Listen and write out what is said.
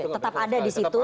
tetap ada di situ